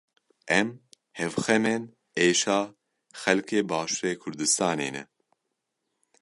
Em hevxemên êşa xelkê Başûrê Kurdistanê ne.